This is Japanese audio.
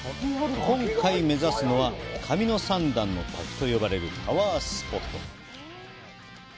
今回、目指すのは「神の三段の滝」と呼ばれるパワースポット。